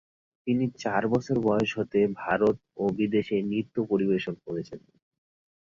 তিনি চার বছর বয়স হতে ভারত ও বিদেশে নৃত্য পরিবেশন করছেন।